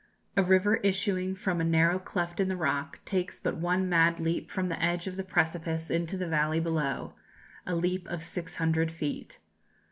A river issuing from a narrow cleft in the rock takes but one mad leap from the edge of the precipice into the valley below, a leap of 600 feet.